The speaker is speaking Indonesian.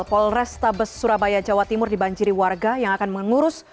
polrestabes surabaya jawa timur dibanjiri warga yang akan mengurus